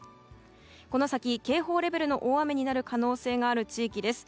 この先、警報レベルの大雨になる可能性がある地域です。